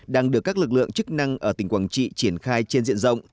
đang được các lực lượng chức năng ở tỉnh quảng trị triển khai trên diện rộng